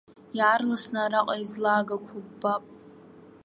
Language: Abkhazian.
Иаарласны араҟа излагақәо ббап.